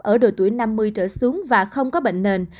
ở độ tuổi năm mươi trở xuống và không có bệnh nền